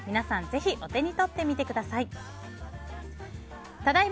ぜひ、お手に取ってみてください。